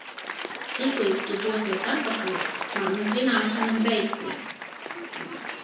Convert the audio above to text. Tiklīdz tu dosies atpakaļ, manas zināšanas beigsies.